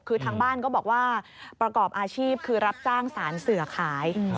คือทางบ้านก็บอกว่าประกอบอาชีพคือรับจ้างสารเสือขาย